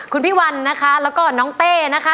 คุณพี่วันนะคะแล้วก็น้องเต้นะคะ